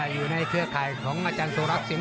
อยู่ในเครือไขของอาจารย์โสรักษ์สิงห์